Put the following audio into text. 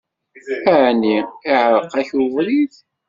Ɛni iɛṛeq-ak webrid?